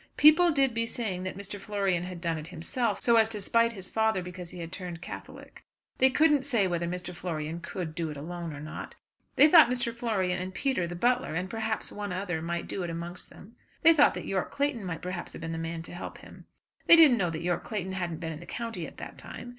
People did be saying that Mr. Florian had done it himself, so as to spite his father because he had turned Catholic. They couldn't say whether Mr. Florian could do it alone or not. They thought Mr. Florian and Peter, the butler, and perhaps one other, might do it amongst them. They thought that Yorke Clayton might perhaps have been the man to help him. They didn't know that Yorke Clayton hadn't been in the county at that time.